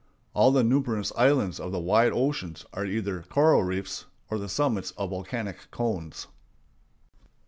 All the numerous islands of the wide oceans are either coral reefs or the summits of volcanic cones.